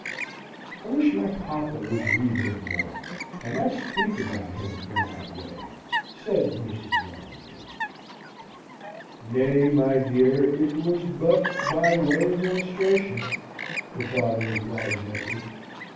"I wish my papa would read him more, and not speak about him in that way," said Mrs. Warrington. "Nay, my dear, it was but by way of illustration," the father replied gently.